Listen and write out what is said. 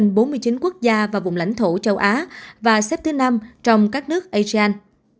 tổng số ca tử vong trên hai mươi sáu trên bốn mươi chín quốc gia và vùng lãnh thổ châu á và xếp thứ năm trong các nước asean